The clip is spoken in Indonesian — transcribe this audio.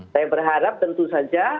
saya berharap tentu saja